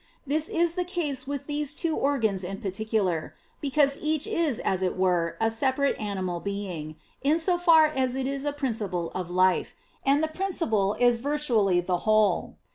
This is the case with these two organs in particular, because each is as it were a separate animal being, in so far as it is a principle of life; and the principle is virtually the whole.